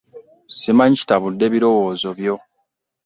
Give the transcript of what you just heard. Simanyi kitabude birowoozo byo.